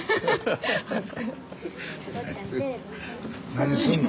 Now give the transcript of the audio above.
何すんの？